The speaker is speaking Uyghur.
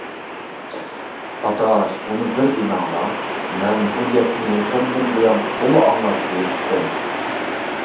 -ئاداش، ئۇنى بىر دېمەڭلار، مەن بۇ گەپنى يېقىندىن بۇيان تولا ئاڭلاپ زېرىكتىم.